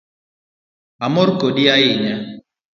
Amor kodi ahinya